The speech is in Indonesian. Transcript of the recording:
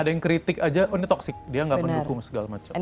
ada yang kritik aja oh ini toxic dia nggak pendukung segala macam